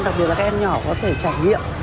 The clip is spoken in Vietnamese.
đặc biệt là các em nhỏ có thể trải nghiệm